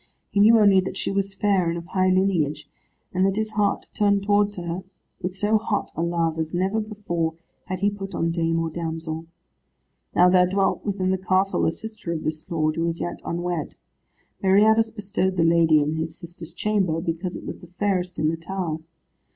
He knew only that she was fair, and of high lineage, and that his heart turned towards her with so hot a love as never before had he put on dame or damsel. Now there dwelt within the castle a sister of this lord, who was yet unwed. Meriadus bestowed the lady in his sister's chamber, because it was the fairest in the tower.